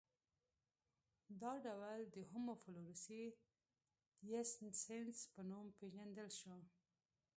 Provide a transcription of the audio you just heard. دا ډول د هومو فلورسي ینسیس په نوم پېژندل شو.